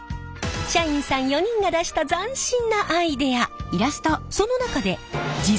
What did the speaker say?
社員さん４人が出した斬新なアイデア。